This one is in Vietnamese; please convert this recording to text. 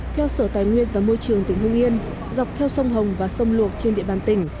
theo sở tài nguyên và môi trường tỉnh hương yên dọc theo sông hồng và sông luộc trên địa bàn tỉnh